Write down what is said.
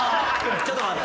ちょっと待って。